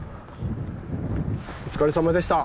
お疲れさまでした。